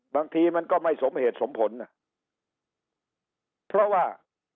บางทีมันก็ไม่สมเหตุสมผลอ่ะเพราะว่า